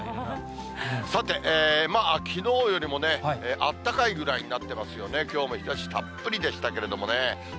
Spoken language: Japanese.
さて、きのうよりも、あったかいぐらいになってますよね、きょうも日ざしたっぷりでしたけれどもね。